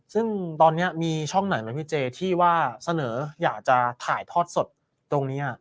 ซึ่งตอนนี้มีช่องไหนไหมพี่เจที่ว่าเสนออยากจะถ่ายทอดสดตรงนี้